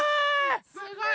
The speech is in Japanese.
すごい。